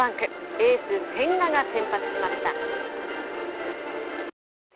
エース千賀が先発しました。